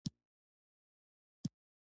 • شیدې د هډوکو د پیاوړتیا لپاره مهمې دي.